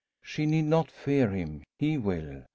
She need not fear him he will.